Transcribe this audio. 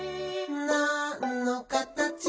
「なんのかたち？